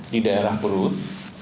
di daerah perut